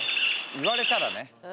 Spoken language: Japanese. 言われたらね。